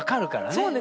そうです。